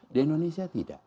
di indonesia tidak